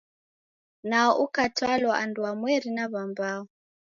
Nao ukatalwa andwamweri na w'ambao.